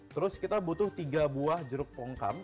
terus kita butuh tiga buah jeruk pongkam